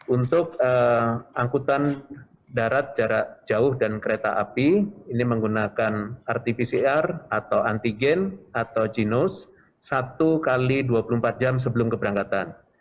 untuk angkutan darat jarak jauh dan kereta api ini menggunakan rt pcr atau antigen atau ginos satu x dua puluh empat jam sebelum keberangkatan